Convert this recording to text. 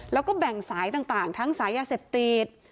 แล้วก็แบ่งศาลต่างทั้งศาลยาเศรษฐีศ